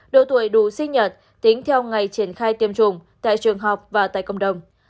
độ tuổi đủ sinh nhật tính theo ngày triển khai tiêm chủng tại trường học và tại cộng đồng